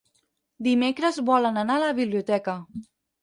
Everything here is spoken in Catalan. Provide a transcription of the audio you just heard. Dimecres volen anar a la biblioteca.